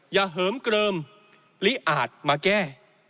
เหิมเกลิมหรืออาจมาแก้